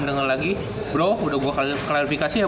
denger lagi bro udah gua klarifikasi ya